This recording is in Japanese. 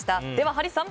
ハリーさん